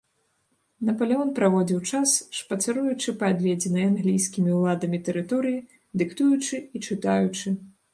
Напалеон праводзіў час, шпацыруючы па адведзенай англійскімі ўладамі тэрыторыі, дыктуючы і чытаючы.